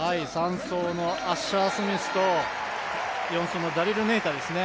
３走のアッシャー・スミスと４走のダリル・ネイタですね